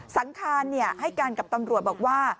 สังคารให้การกับตำรวจบอกว่า